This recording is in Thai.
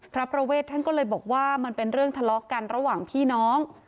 พระประเวทท่านก็เลยบอกว่ามันเป็นเรื่องทะเลาะกันระหว่างพี่น้อง